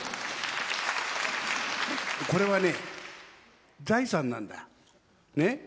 これはね財産なんだ。ね？